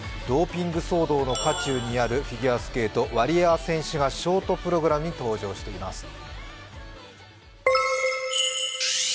ドーピング騒動の渦中にあるフィギュアスケート、ワリエワ選手がショートプログラムに登場しています。